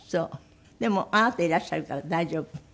でもあなたいらっしゃるから大丈夫。